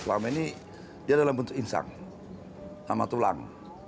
selama ini dia dalam bentuk insang sama tulang